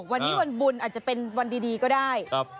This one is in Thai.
วันนี้วันบุญอาจจะเป็นวันดีก็ได้